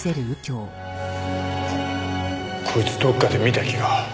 こいつどこかで見た気が。